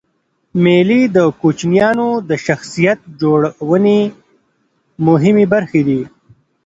مېلې د کوچنيانو د شخصیت جوړنوني مهمي برخي دي.